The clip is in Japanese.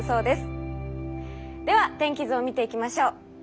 では天気図を見ていきましょう。